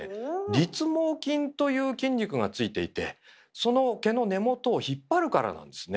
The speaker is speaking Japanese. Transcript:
「立毛筋」という筋肉がついていてその毛の根元を引っ張るからなんですね。